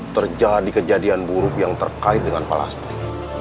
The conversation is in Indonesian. terjadi kejadian buruk yang terkait dengan palastri